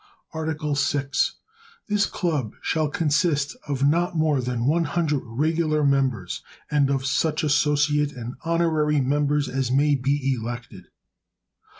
Article VI. This Club shall consist of not more than one hundred regular members, and of such associate and honorary members as may be elected.